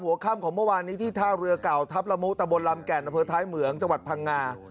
ค่ำของเมื่อวานนี้ที่ท่าเรือเก่าทัพละมุตะบนลำแก่นอำเภอท้ายเหมืองจังหวัดพังงา